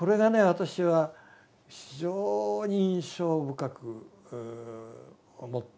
私は非常に印象深く思って。